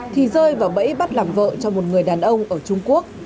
thì rơi vào bẫy bắt làm vợ cho một người đàn ông ở trung quốc